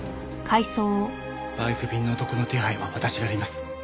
バイク便の男の手配は私がやります。